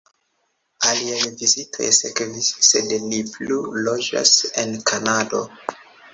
Aliaj vizitoj sekvis, sed li plu loĝas en Kanado.